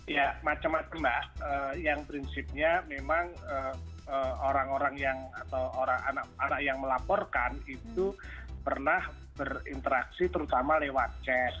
ya macam macam lah yang prinsipnya memang orang orang yang atau anak anak yang melaporkan itu pernah berinteraksi terutama lewat chat